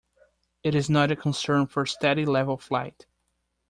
It is not a concern for steady level flight.